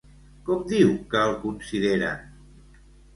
Com diu que el consideren?